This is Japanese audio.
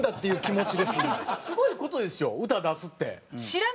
すごい事ですよ歌出すって。